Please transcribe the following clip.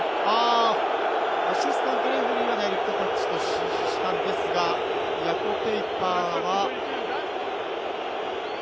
アシスタントレフェリーはダイレクトタッチと指示したんですが、ヤコ・ペイパーは。